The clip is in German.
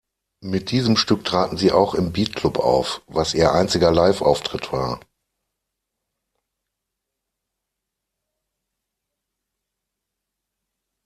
Mit diesem Stück traten sie auch im Beat-Club auf, was ihr einziger Liveauftritt war.